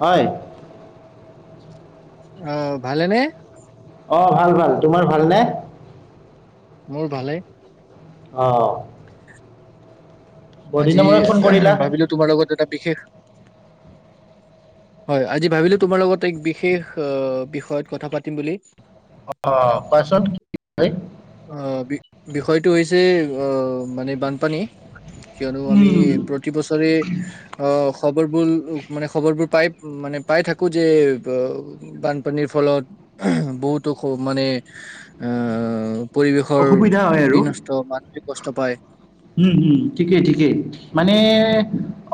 হয়। অ ভালেনে? অ ভাল ভাল। তোমাৰ ভালনে? মোৰ ভালেই। অ। আজি মূৰত ফোন কৰিলা ভাবিলো তোমাৰ লগত এটা বিশেষ হয় আজি ভাবিলো তোমাৰ লগত এক বিশেষ বিষয়ত কথা পাতিম বুলি। অ কোৱাচোন কি [unintelligible] অ বি-বিষয়টো হৈছে অ মানে বানপানী। কিয়নো আমি উম, প্ৰতিবছৰে অ খবৰবোৰ মানে খবৰবোৰ পাই মানে পাই থাকো যে ব বানপানীৰ ফলত বহুতো খ মানে আ পৰিৱেশৰ অসুবিধা হয় বিনষ্ট, মানসিক কষ্ট পায়, উম হম ঠিকেই ঠিকেই। মানে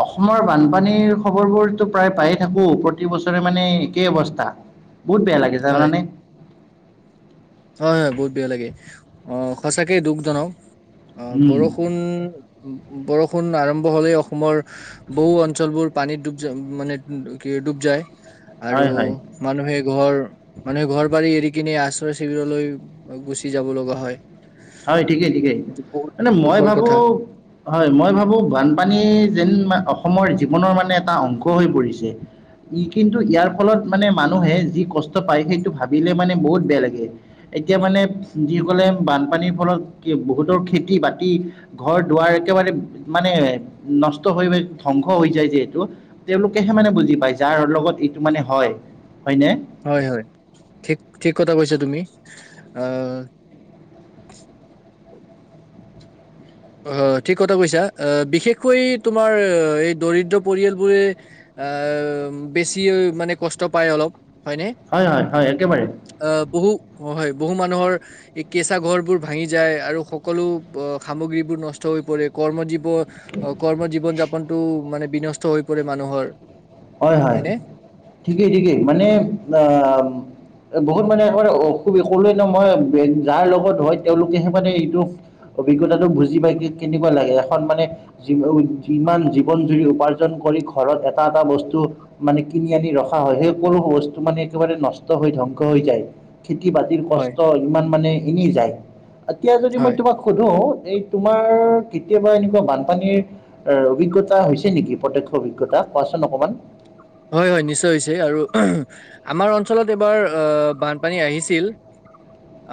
অসমৰ বানপানীৰ খবৰ বোৰতো প্ৰায় পায়ে থাকো, পৰ প্ৰতি বছৰে মানে একেই অবস্থা বহুত বেয়া লাগে হয় জানানে হয় হয় বহুত বেয়া লাগে, অ সঁচাকয় দুখজনক। অ উম, বৰষুণ বৰষুণ আৰম্ভ হ'লেই অসমৰ বহু অঞ্চলবোৰ পানীত ডুব য মানে কি ডুব যায়। আৰু হয় হয় মানুহে ঘৰ মানুহে ঘৰ বাৰী এৰি কিনে আছ শিবিৰলৈ গুচি যাব লগা হয়। হয় ঠিকেই ঠিকেই এইটো বহুত মানে মই দুখৰ ভাবো কথা হয় মই ভাবো বানপানী যেন অসমৰ জীৱনৰ মানে এটা অংশ হৈ পৰিছে। ই কিন্তু ইয়াৰ ফলত মানে মানুহে যি কষ্ট পায় সেইটো ভাবিলে মানে বহুত বেয়া লাগে। এতিয়া মানে যিসকলে বানপানীৰ ফলত বহুতৰ খেতি-বাতি ঘৰ-দুৱাৰ একেবাৰে মানে নষ্ট হৈ ধ্বংস হৈ যায় যিহেতু তেওঁলোকেহে মানে বুজি পায় যাৰ লগত এইটো মানে হয়, হয়নে? হয় হয় ঠিক ঠিক কথা কৈছা তুমি। আহ অ ঠিক কথা কৈছা। আহ বিশেষকৈ তোমাৰ এই দৰিদ্ৰ পৰিয়ালবোৰে আহ বেছি মানে কষ্ট পায় অলপ হয়নে? হয় হয় হয় একেবাৰে। অ বহু হয় বহু মানুহৰ এই কেঁচা ঘৰ বোৰ ভাঙি যায় আৰু সকলো অ সামগ্ৰী নষ্ট হৈ পৰে। কৰ্ম জীৱন কৰ্ম জীৱন যাপনতটো মানে বিনষ্ট স্থ হৈ পৰে মানুহৰ। হয় হয় হয়নে ঠিকেই ঠিকেই মানে আ বহুত মানে একাৰে অসুবি কলে নহয় যাৰ লগত হয় তেওঁলোকেহে মানে এইটো অভিজ্ঞতাটো বুজি পাই কে-কেনেকুৱা লাগে। এখন মানে যিমান জীৱন জুৰি উপাৰ্জন কৰি ঘৰত এটা এটা বস্তু তো মানে কিনি আনি ৰখা হয়, সেই সকলো বস্তু মানে একেবাৰে নষ্ট হৈ ধ্বংস হৈ যায়। খেতি বাতিৰ হয় কষ্ট ইমান মানে এনে যায়। এতিয়া যদি মই হয় তোমাক সুধো, এই তোমাৰ কেতিয়াবা এনেকুৱা বানপানীৰ অ অভিজ্ঞতা নেকি প্ৰত্যক্ষ অভিজ্ঞতা? কোৱাচোন অকণমান। হয়, হয় নিশ্চয় হৈছে আৰু আমাৰ অঞ্চলত এইবাৰ আ, বানপানী আহিছিল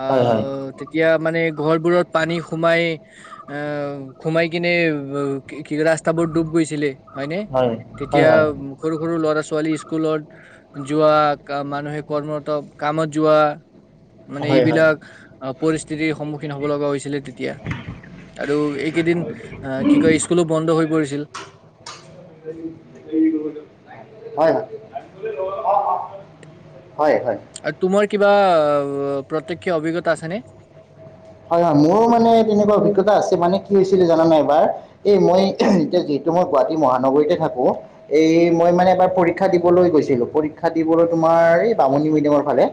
আ হয় হয় তেতিয়া মানে ঘৰবোৰত পানী সোমাই আ, সোমাই কিনে কি ৰাস্তাবোৰ ডুব গৈছিলে। হয়নে? হয় হয় তেতিয়া হয় সৰু সৰু ল'ৰা ছোৱালী ইস্কুলত যোৱা মানুহে কৰ্মৰত কামত যোৱা মানে হয় হয় এইবিলাক অ', পৰিস্থিতিৰ সন্মুখীন হ'ব লগা হৈছিলে তে তিয়া আৰু এইকেইদিন আ, কি কয় ইস্কুলো বন্ধ হৈ পৰিছিল। [unintelligible] হয়, হয়, হয়। আ, তোমাৰ কিবা প্ৰত্যক্ষ অভিজ্ঞতা আছেনে? হয়, হয়, মোৰো মানে তেনেকুৱা অভিজ্ঞতা আছে মানে কি হৈছিলে জানানে এবাৰ? এই মই এতিয়া যিহেতু মই গুৱাহাটী মহানগৰীতে থাকোঁ। এই মই মানে এবাৰ পৰীক্ষা দিবলৈ গৈছিলোঁ পৰীক্ষা দিবলৈ তোমাৰ এই বামুণী মৈডামৰ ফালে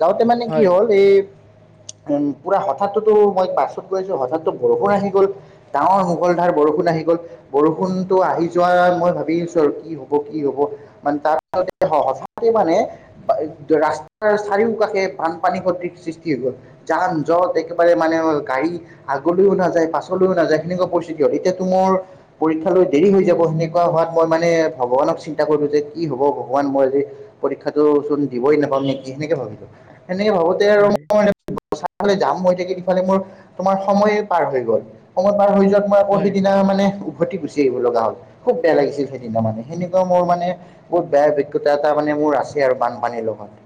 যাওঁতে মানে কি হয় হ'ল এই উম, পুৰা হ হঠাৎতো মই বাছত গৈ আছো হঠাৎ বৰষূণ আহি গ'ল ডাঙৰ মুষলধাৰ বৰষুণ আহি গ'ল বৰষুণতো আহি যোৱা মই ভাবি আছোঁ আৰু কি হ'ব, কি হ'ব মানে তাৰ [inaudible] হ-হঠাতে মানে ৰাস্তাৰ চাৰিওকাষে বানপানী ভৰ্তি সৃষ্টি হৈ গ'ল যান জট একেবাৰে মানে গাড়ী আগলৈও নাযায়, পাছলৈও নাযায় সেনেকুৱা পৰিস্থিতি হ'ল এতিয়াটো মোৰ পৰীক্ষা লৈ দেৰি হৈ যাব সেনেকুৱা হোৱাত মই মানে ভগৱানক চিন্তা কৰিলোঁ যে, কি হ'ব ভগৱান মোৰ আজি। পৰীক্ষাটো চোন দিবই নাপাম নেকি সেনেকে ভাবিছোঁ সেনেকে ভাবো হয় [unintelligible] সেইফালে মোৰ তোমাৰ সময়ে পাৰ হৈ গ'ল, সময় পাৰ হৈ যোৱাত মই আকৌ হয় সেইদিনা মানে উভটি গুচি আহিব লগা হ'ল খুব বেয়া লাগিছিল সেইদিনা মানে সেনেকুৱা মোৰ মানে বহুত বেয়া অভিজ্ঞতা এটা মানে মোৰ আছে আৰু বানপানীৰ লগত।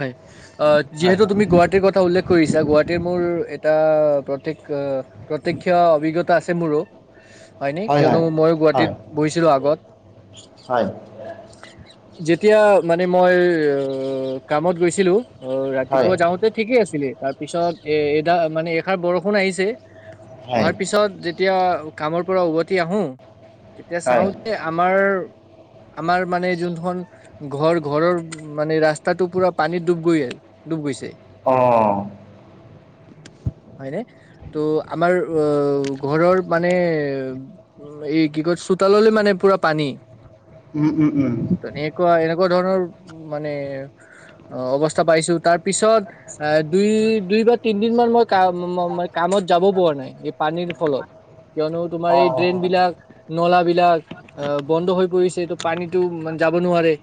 হয়, অ', হয় যিহেতু তুমি গুৱাহাটীৰ ক উল্লেখ কৰিছা গুৱাহাটীৰ মোৰ এটা প্ৰত্যেক অ', প্ৰত্যক্ষ অভিজ্ঞতা আছে। মোৰো হয়নে হয় হয় কিয়নো মইয়ো হয় গুৱাহাটীত পঢ়িছিলোঁ আগত হয় যেতিয়া মানে মই কামত গৈছিলোঁ। অ', হয় ৰাতিপুৱা যাওঁতে ঠিকেই আছিলে তাত পিছত এ এডাৰ মানে এষাৰ বৰষুণ আহিছে অহাৰ হয় পিছত যে যেতিয়া কামৰ পৰা উভতি আহোঁ তেতিয়া চাওঁ হয় হয় যে আমাৰ আমাৰ মানে যোনখন ঘৰ ঘৰৰ মানে ৰাচ তাতো পুৰা পানীত ডুব গৈ, ডুব গৈছে। অ'। হয়নে, ত' আমাৰ অ', ঘৰৰ মানে উম, এই কি কয় চোতাললে মানে পুৰা পানী। উম, উম, উম। ত এনেকুৱা এনেকুৱা ধৰণৰ মানে অ', অৱস্থা পাইছোঁ তাৰ পিছত এ দুই দুই বা তিনদিন মান মই কাম-ম-ম-কামত যাব পৰা নাই এই পানীৰ ফলত, কিয়নো তোমাৰ এই ড্ৰেইনবিলাক অ নলাবিলাক অ', বন্ধ হৈ পৰিছে ত' পানীটো মানে যাব নোৱাৰে।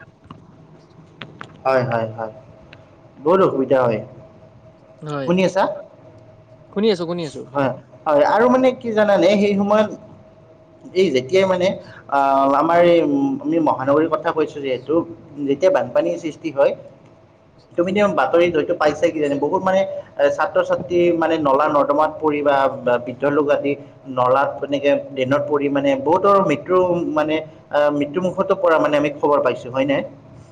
হয়, হয়, হয়, বহুত অসুবিধা হয়, হয় শুনি আছা? শুনি আছো শুনি আছো। হয় হয় আৰু মানে কি জানানে সেই সময়ত এই যেতিয়াই মানে, আ আমাৰ এই আমি মহানগৰীৰ কথা কৈছো যিহেতু, যেতিয়া বানপানীৰ সৃষ্টি হয় তুমিতো এই বাতৰিত হয়তো পাইছা কিজানি বহুত মানে, এ ছাত্ৰ ছাত্ৰী মানে নলা নৰ্দমাত পৰি বা বা বৃদ্ধ লোক আদি। নলাত এনেকে ড্ৰেইনত পৰি মানে বহুতৰ মৃত্যু মানে, অ মৃত্যু মুুখতো পৰা মানে আমি খবৰ পাইছো, হয় নে?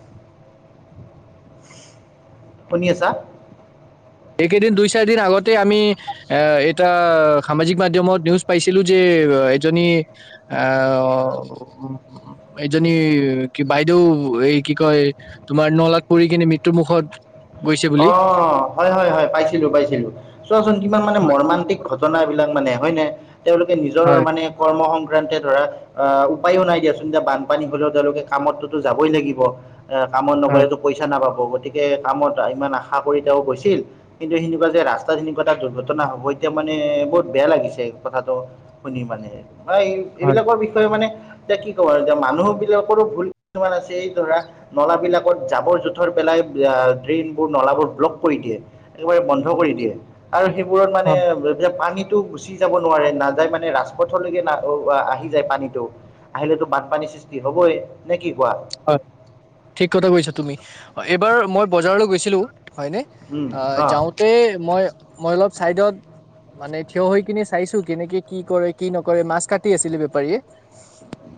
[inaudible] শুনি আছা? এইকেইদিন দুই চাৰি দিন আগতে আমি, এ এটা সামাজিক মাধ্যমত নিউজ পাইছিলো যে এজনী, আ অ এইজনী কি বাইদেউ এই কি কয়, তোমাৰ নলাত পৰি কিনে মৃত্যু মুখত গৈছে অ বুলি হয় হয় হয় পাইছিলো পাইছিলো। চোৱাচোন কিমান মানে হয় মৰ্মান্তিক। ঘটনাবিলাক মানে হয় নে? তেওঁলোকে নিজৰ হয় মানে কৰ্ম সংক্ৰান্তে ধৰা, আহ উপায়ো নাই দিয়াচোন এতিয়া বানপানী হলেও তেওঁলোকে কামততো যাবই লাগিব। এ কামত হয় নগ'লেতো পইচা নাপাব গতিকে কামত ইমান আশা কৰি তেওঁ গৈছিল। কিন্তু সেনেকুৱা যে ৰাস্তাত সেনেকুৱা এটা দুৰ্ঘটনা হব এতিয়া মানে বহুত বেয়া লাগিছে কথাটো। শুনি মানে। বা এই হয় এইবিলাকৰ বিষয়ে মানে, এতিয়া কি ক'ব এতিয়া মানুহ বিলাকৰো ভুল কিছুমান আছে, এই ধৰা নলা বিলাকত জাবৰ যোথৰ পেলাই আহ, ড্ৰেইনবোৰ নলাবোৰ ব্লক কৰি দিয়ে একেবাৰে বন্ধ কৰি দিয়ে। আৰু সেইবোৰত মানে হয় এইবিলাক পানীত। টো গুচি যাব নোৱাৰে, নাযায় মানে ৰাজপথলৈকে ন আহি যায় পানীটো। আহিলেতো বানপানী সৃষ্টি হ'বই, নে কি কোৱা? হয় ঠিক কথা কৈছা তুমি এইবাৰ মই বজাৰলৈ গৈছিলো হয়নে? উম আ অ যাওঁতে মই মই অলপ চাইডত। মানে থিয় হৈ কিনে চাইছো কেনেকে কি কৰে কি নকৰে মাছ কাটি আছিলে বেপাৰীয়ে।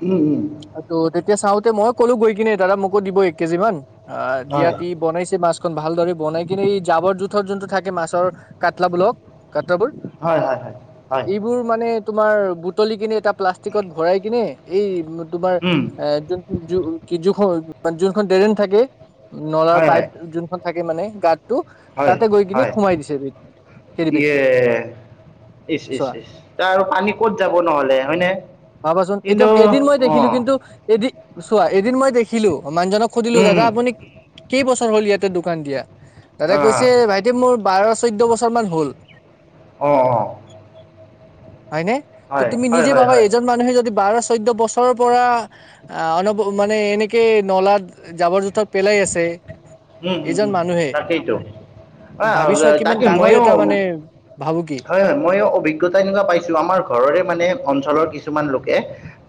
ওম ওম। টু তেতিয়া চাওঁতে মই ক'লো গৈ কিনে দাদা মোকো দিব এক কেজি মান অ দিয়া হয় তি বনাইছে মাছ। ন ভালদৰে বনাই কিনে এই জাবৰ জোথৰ যোনটো থাকে মাছৰ কাটলাবোৰক কাটলাবোৰ। হয় হয় হয় হয়। এইবোৰ মানে তোমাৰ বুটলি কিনে এটা প্লাষ্টিকত ভৰাই কিনে। এই তোমাৰ উম যোনটো যুখন যোনখন ডেৰেন থাকে, নলাৰ হয় হয় পাইপ যোনখন থাকে মানে গাত, তো হয় তাতে গৈ কিনে হয় সোমাই দিছেগে ইয়ে কেৰীবেগটো। ইচ ইচ ইচ তাৰ আৰু পানী ক'ত যাব নহ'লে হয়নে? ভাবাচোন এতিয়া কিন্তু এদিন মই অ দেখিলো কিন্তু এদি চোৱা এদিন দেখিলোঁ মই মানুহজনক সুধিলো উম দাদা আপুনি, কেইবছৰ হল ইয়াতে দোকান দিয়া, দাদাই অ কৈছে ভাইটি মোৰ বাৰ চৈধ্য বছৰ মান হল। অঁ অঁ হয়নে, ত হয় তুমি হয় নিজে হয় ভাবা হয় এ বোৰ মানুহে যদি বাৰ চৈধ্য বছৰৰ পৰা, আ অলপ মানে এনেকে নলাত যাবৰ জোথৰ। পেলাই আছে উম হুম এজন হুম মানুহে তাকেইতো। অ ভাবি চোৱা কিমান তাকে ডাঙৰ মইয়ো এটা মানে ভাবুকি হয় হয় মইয়ো অভি অভিজ্ঞতা তেনেকুৱা পাইছো আমাৰ ঘৰৰে মানে অঞ্চলৰ কিছুমান লোকে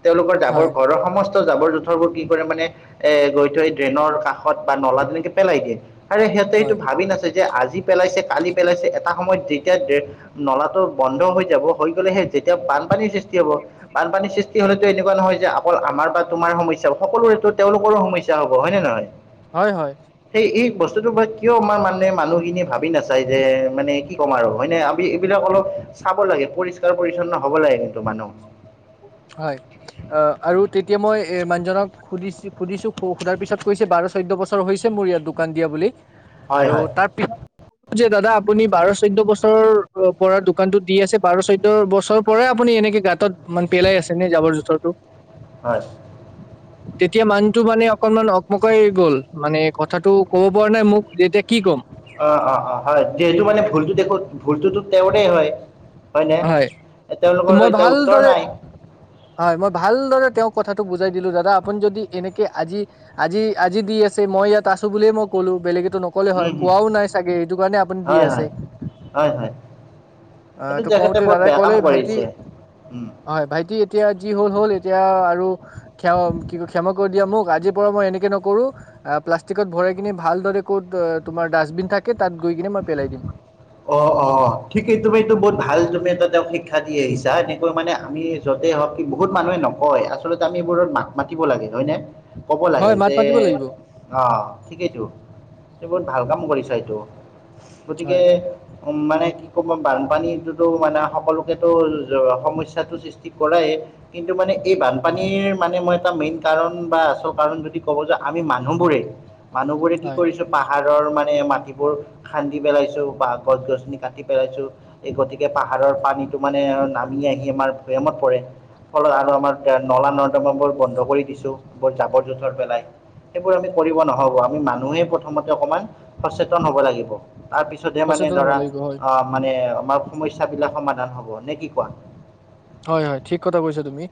তেওঁলোকৰ জাবৰ হয় ঘৰৰ সম সমস্ত জাবৰ জোথৰবোৰ কি কৰে মানে এ গৈ থৈ ড্ৰেইনৰ কাষত বা নলাত তেনেকে পেলাই দিয়ে। আৰে সিহঁতে এইটো হয় ভাবি নাচাই যে আজি পেলাইছে কালি পেলাইছে এটা সময়ত যেতিয়া দে- নলাটো বন্ধ হৈ যাব হৈ গলে সেই যেতিয়া বানপানীৰ সৃষ্টি হব। বানপানীৰ সৃষ্টি হলেতো এনেকুৱা নহয় যে বানপানী সৃষ্টি হ'লেটো এনেকুৱা নহয় যে অকল আমাৰ বা তোমাৰ সমস্যা হ'ব সকলোৰেটো তেওঁলোকৰো সমস্যা হ'ব হয়নে নহয় হয় হয় সেই এই বস্তুতো পৰা কিয় বা মানে মানুহখিনিয়ে ভাবি নাচায় যে মানে কি ক'ম আৰু হয়নে এইবিলাক অলপ চাব লাগে পৰিষ্কাৰ পৰিচ্ছন্ন হব লাগে কিন্তু মানুহ। হয় অ আৰু তেতিয়া মই এ মানুহজনক সুধিছো সুধিছো সোধাৰ পিছত কৈছে বাৰ চৈধ্য বছৰ হৈছে মোৰ ইয়াত দোকান দিয়া বুলি। হয় আৰু হয় তাৰ পিছত যে দাদা আপুনি বাৰ চৈধ্য বছৰৰ পৰা দোকানতো দি আছে বাৰ চৈধ্য বছৰ পৰাই আপুনি এনেকে গাঁতত মানে পেলাই আছে নে জাবৰ জোথৰটো। হয় [inaudible] তেতিয়া মানুহটো মানে অকনমান অকমকাই গ'ল মানে কথাটো ক'ব পৰা নাই মোক যে এতিয়া কি ক'ম। অ অ অ হয় যিহেতু মানে ভুলতো দেখ ভূলটোটো তেওঁৰেই হয়। হয়নে হয় ত মই তেওঁলোকৰ এতিয়া উত্তৰ ভালদৰে নাই। হয় মই ভালদৰে তেওঁক কথাটো বুজাই দিলো দাদা আপুনি যদি এনেকে আজি আজি আজি দি আছে মই ইয়াত আছো বুলি মই ক'লো বেলেগেতো নকয়। নকলে হয় উম, হুম, কোৱাও নাই চাগে এইটো কাৰণে আপুনি দি হয় আছে হয় হয় হয় আ এইটো তেখেতে কওঁতে বহুত দাদাই বেয়া কলে কাম ভাইটি কৰিছে উম। হয় ভাইটি এতিয়া যি হ'ল হ'ল এতিয়া আৰু ক্ষমা কি কয় ক্ষমা কৰি দিয়া মোক আজিৰ পৰা মই এনেকে নকৰো। আহ প্লাষ্টিকত ভৰাই কিনে ভালদৰে ক'ত তোমাৰ ডাষ্টবিন থাকে তাত গৈ কিনে মই পেলাই দিম। অ অ অ ঠিকেই তুমি এইটো বহুত ভাল তুমি এইটো তেওঁক শিক্ষা দি আহিছা এনেকৈ মানে আমি যতেই হওক কি বহুত মানুহে নকয় আচলতে আমি এইবোৰত মাত মাতিব লাগে হয় নে কব লাগে হয় মাত যে মাতিব লাগিব অ ঠিকেইতো তুমি বহুত ভাল কাম কৰিছা এইটো। গতিকে হয় উম মানে কি ক'ব বানপানীটোতো মানে সকলোকেটো সমস্যাটো সৃষ্টি কৰেই। কিন্তু মানে এই বানপানীৰ মানে মই এটা মেইন কাৰণ বা আচল কাৰণ যদি ক'ব যা- আমি মানুহবোৰে, মানুহবোৰে কি হয় কৰিছো পাহাৰৰ মানে মাটিবোৰ খান্দি কাটি পেলাইছো বা গছ-গছনি কাটি পেলাইছো। এই গতিকে পাহাৰৰ পানীটো মানে নামি আহি আমাৰ ভৈয়ামত পৰে। ফলত আৰু আমাৰ নলা নৰ্দমা বোৰ বন্ধ কৰি দিছো জাবৰ-জোথৰ পেলাই। সেইবোৰ আমি কৰিব নহব আমি মানুহেই প্ৰথমতে অকণমান সচেতন হব লাগিব। তাৰ পিছতহে মানে সচেতন হ'ব ধৰা লাগিব হয় অ মানে আমাৰ সমস্যা বিলাক সমাধান হব নে কি কোৱা। হয় হয় ঠিক কথা কৈছা তুমি এ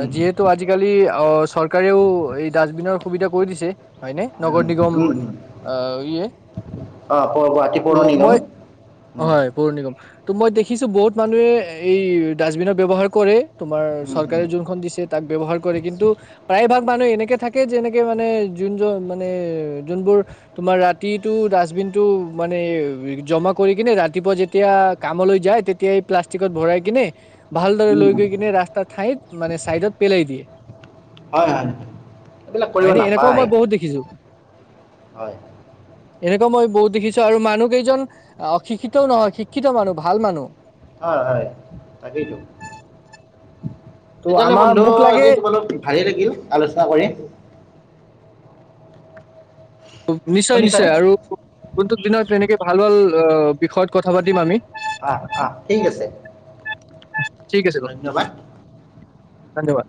উম যিহেতু আজি আজিকালি অ চৰকাৰেও এই ডাষ্টবিনৰ সুবিধা কৰি দিছে। হয়নে উম নগৰ নিগম অ ইয়ে অ পৌৰ গুৱাহাটী পৌৰ নিগম উম পৌৰ নিগম ত' মই দেখিছো বহুত মানুহে এই ডাষ্টবিনৰ ব্যৱহাৰ কৰে। তোমাৰ উম চৰকাৰে উম যোনখন দিছে তাক ব্যৱহাৰ কৰে, কিন্তু প্ৰায় ভাগ মানুহ এনেকে থাকে যেনেকে মানে যোনজন মানে যোনবোৰ তোমাৰ ৰাতিটো ডাষ্টবিনটো মানে জমা কৰি কিনে ৰাতিপুৱা যেতিয়া কামলৈ যায় তেতিয়াই এই প্লাষ্টিকত ভৰাই কিনে। ভালদৰে লৈ উম গৈ কিনে ৰাস্তাৰ ঠাইত মানে চাইডত পেলাই দিয়ে। হয় হয় এইবিলাক কৰিব হয়নে এনেকুৱাও নাপায় মই বহুত দেখিছো। হয়। এনেকুৱা মই বহুত দেখিছো আৰু মানুহ কেইজন অশিক্ষিতও নহয়, শিক্ষিত মানুহ ভাল মানুহ। হয়, হয়, তাকেইটো ত' তেতিয়াহ'লে আমাৰ বন্ধু মোক লাগে আজি তোমালোক ভালে লাগিল আলোচনা কৰি। নিশ্চয়, শুনিছানে নিশ্চয় আৰু কোনটো দিনত তেনেকৈ ভাল ভাল বিষয়ত কথা পাতিম আমি? অহ, অহ, ঠিক আছে। ঠিক আছে, ধন্যবাদ ধন্যবাদ।